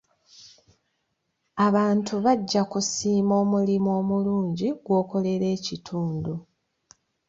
Abantu bajja kusiima omulimu omulungi gw'okolera ekitundu.